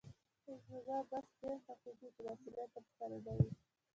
خو زما بس ډېر خوښېږي چې مسولیت راسره نه وي.